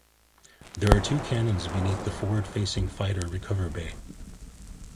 There are two cannons beneath the forward-facing fighter recover bay.